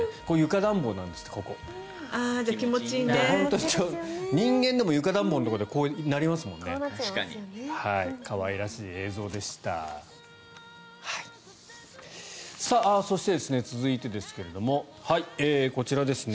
だから本当に人間でも床暖房のところでこうなっちゃいますからね。